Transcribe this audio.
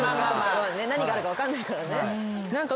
何があるか分かんないからね。